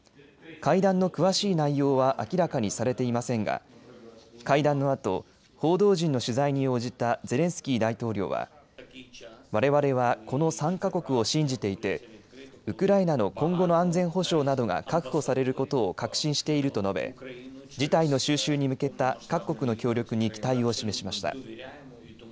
会談の詳しい内容は明らかにされていませんが会談のあと報道陣の取材に応じたゼレンスキー大統領はわれわれはこの３か国を信じていてウクライナの今後の安全保障などが確保されることを確信していると述べ、事態の収拾に向けた各国の協力に期待を示しました。